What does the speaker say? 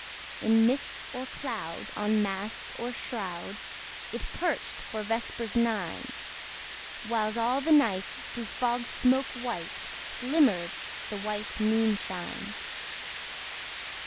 In mist or cloud, on mast or shroud, It perched for vespers nine; Whiles all the night, through fog smoke white, Glimmered the white Moon shine.